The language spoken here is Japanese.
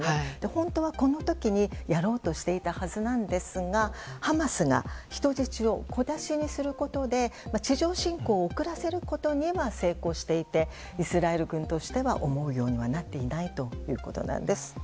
本当はこの時にやろうとしていたはずですがハマスが人質を小出しにすることで地上侵攻を遅らせることには成功していてイスラエル軍としては思うようになっていないということです。